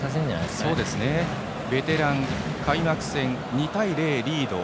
ベテラン開幕戦２対０リード。